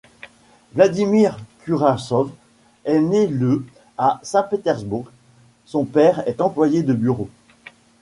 Vladimir Kurasov est né le à Saint-Pétersbourg, son père est employé de bureau.